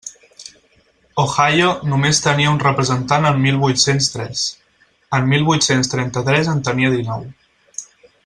Ohio només tenia un representant en mil vuit-cents tres; en mil vuit-cents trenta-tres en tenia dinou.